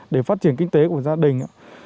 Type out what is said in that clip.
để phát triển kinh tế của gia đình